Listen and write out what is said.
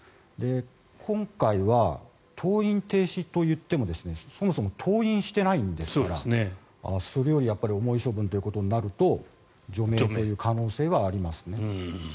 今回は登院停止といってもそもそも登院してないんですからそれより重い処分ということになると除名という可能性はありますね。